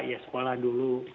ya sekolah dulu